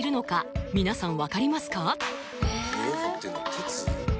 鉄？